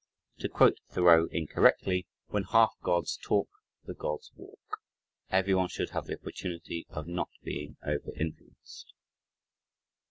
To quote Thoreau incorrectly: "When half Gods talk, the Gods walk!" Everyone should have the opportunity of not being over influenced.